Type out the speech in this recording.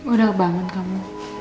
udah kebangun kamu